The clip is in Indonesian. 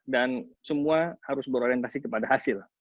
dan semua harus berorientasi kepada hasil